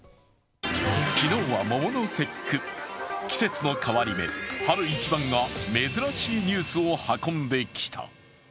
昨日は桃の節句、季節の変わり目春一番が珍しいニュースを運んできた。